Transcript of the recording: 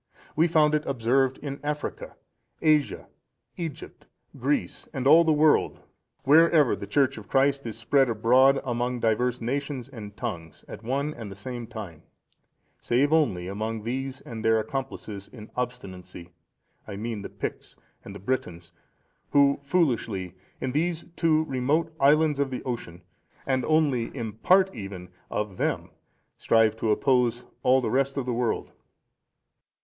We found it observed in Africa, Asia, Egypt, Greece, and all the world, wherever the Church of Christ is spread abroad, among divers nations and tongues, at one and the same time; save only among these and their accomplices in obstinacy, I mean the Picts and the Britons, who foolishly, in these two remote islands of the ocean, and only in part even of them, strive to oppose all the rest of the world."